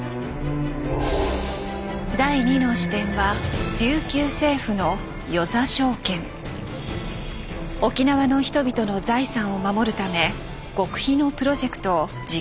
第２の視点は沖縄の人々の財産を守るため極秘のプロジェクトを実行に移しました。